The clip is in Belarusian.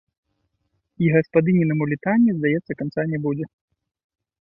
І гаспадынінаму літанню, здаецца, канца не будзе.